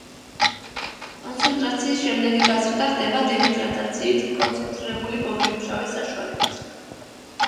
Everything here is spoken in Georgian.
კონცენტრაციის შემდეგი გაზრდა ხდება დეჰიდრატაციით კონცენტრირებული გოგირდმჟავის საშუალებით.